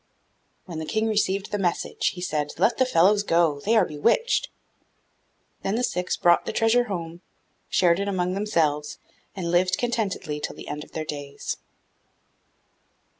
When the King received the message, he said, 'Let the fellows go; they are bewitched.' Then the Six brought the treasure home, shared it among themselves, and lived contentedly till the end of their days.